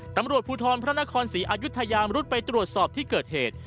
ตำรวจภูทรพระนครศรีอายุทยามรุดไปตรวจสอบที่เกิดเหตุ